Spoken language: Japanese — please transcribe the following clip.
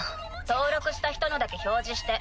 登録した人のだけ表示して。